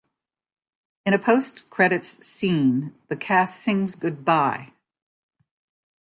In a post-credits scene, the cast sings Goodbye!